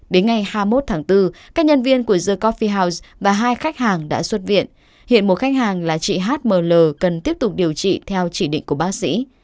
đến ngày hai mươi một tháng bốn các nhân viên của the coffee house và hai khách hàng đã xuất viện hiện một khách hàng là chị h m l cần tiếp tục điều trị theo chỉ định của bác sĩ